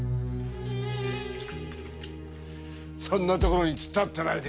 そんな所に突っ立ってないで。